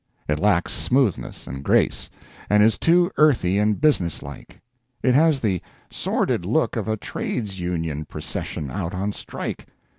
It lacks smoothness and grace, and is too earthy and business like. It has the sordid look of a trades union procession out on strike.